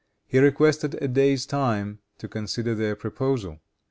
He requested a day's time to consider their proposal.